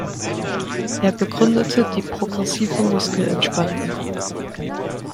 Er begründete die progressive Muskelentspannung.